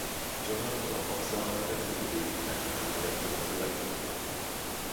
Jonath war Boxer und wechselte wegen einer Handverletzung zur Leichtathletik.